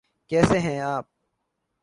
کیسے ہیں آپ؟